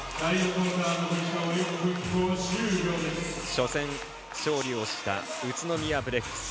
初戦勝利をした宇都宮ブレックス。